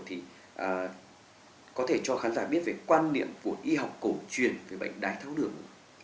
thì có thể cho khán giả biết về quan niệm của y học cổ truyền về bệnh đái tháo đường